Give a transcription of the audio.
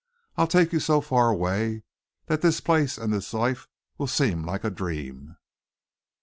I'll take you so far away that this place and this life will seem like a dream."